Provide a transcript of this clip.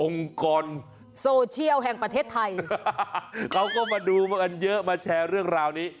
กรโซเชียลแห่งประเทศไทยเขาก็มาดูมากันเยอะมาแชร์เรื่องราวนี้